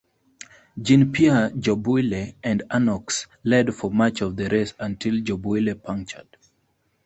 Jean-Pierre Jabouille and Arnoux led for much of the race until Jabouille punctured.